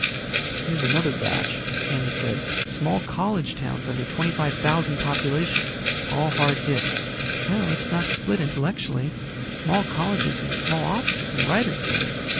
"Here's another batch," Andy said. "Small college towns under twenty five thousand population. All hard hit." "Well, it's not split intellectually. Small colleges and small offices and writers get it.